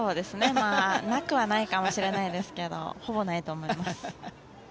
まあ、なくはないかもしれないですけどほぼないと思います。